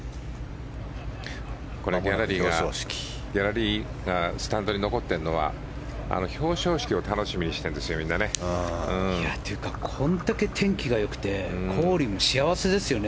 これ、ギャラリーがスタンドに残っているのは表彰式を楽しみにしているんですよ、みんなね。というかこれだけ天気がよくてコリンも幸せですよね。